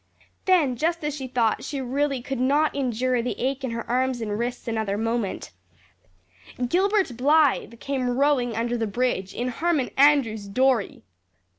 Then, just as she thought she really could not endure the ache in her arms and wrists another moment, Gilbert Blythe came rowing under the bridge in Harmon Andrews's dory!